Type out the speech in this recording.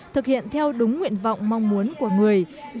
thực hiện theo đúng nguyện vọng mong muốn của người